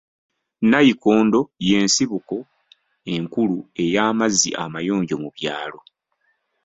Nayikondo y'ensibuko enkulu ey'amazzi amayonjo mu byalo.